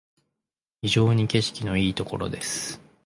非常に景色のいいところです